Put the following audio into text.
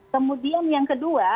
kemudian yang kedua